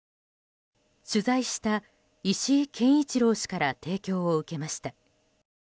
取材した石井謙一郎氏から提供を受けました。